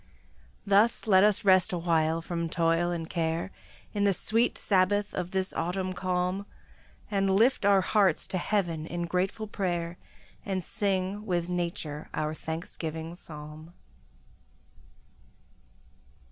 Thus let us rest awhile from toil and care, In the sweet sabbath of this autumn calm, And lift our hearts to heaven in grateful prayer, And sing with nature our thanksgiving psalm.